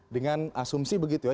dengan asumsi begitu ya